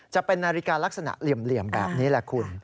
จะเป็นนาฬิกาลักษณะเหลี่ยมแบบนี้แหละคุณ